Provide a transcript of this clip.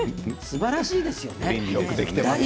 すばらしいですよね。